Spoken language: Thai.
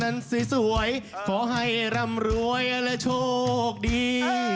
นั่นสีสวยขอให้รำรวยและโชคดี